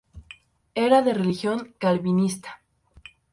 Era de religión calvinista.